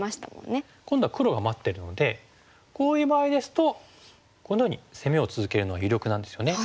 今度は黒が待ってるのでこういう場合ですとこのように攻めを続けるのが有力なんですよね。